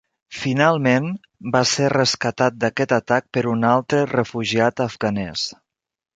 Finalment va ser rescatat d'aquest atac per un altre refugiat afganès.